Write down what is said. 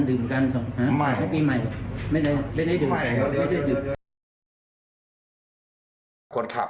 ดื่มกันไม่กินใหม่